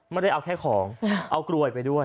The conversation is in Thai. มันเลยเอาแค่ของเอากลวยไปด้วย